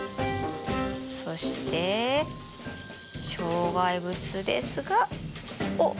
そして障害物ですがおっ！